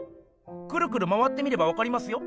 くるくる回って見ればわかりますよ。